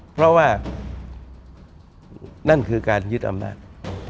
เพราะว่านั่นคือการยึดอำนาจ